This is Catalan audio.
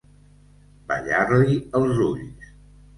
Ballar-li els ulls.